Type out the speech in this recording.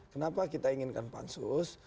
kenapa kita inginkan pansus